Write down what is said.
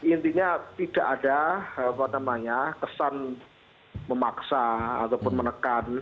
intinya tidak ada kesan memaksa ataupun menekan